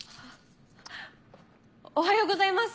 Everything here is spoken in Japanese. おはようございます。